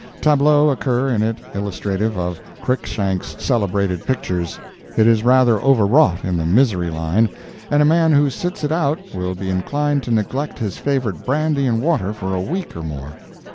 Tableaux occur in it illustrative of Cruickshank's celebrated pictures. It is rather overwrought in the misery line, and a man who sits it out will be inclined to neglect his favorite brandy and water for a week or more.